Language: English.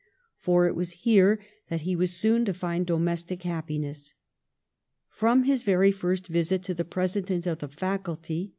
For it was here that he was soon to find do mestic happiness. From his very first visit to the president of the Faculty, M.